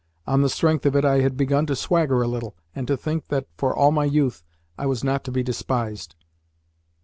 On the strength of it I had begun to swagger a little, and to think that, for all my youth, I was not to be despised.